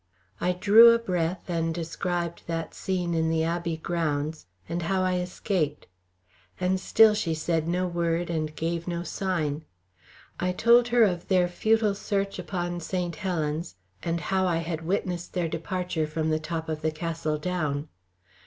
I drew a breath and described that scene in the Abbey grounds, and how I escaped; and still she said no word and gave no sign. I told her of their futile search upon St. Helen's, and how I had witnessed their departure from the top of the Castle Down.